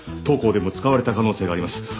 「当行でも使われた可能性があります」